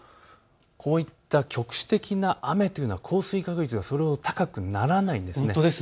こういった局地的な雨というのは降水確率がそれほど高くならないんです。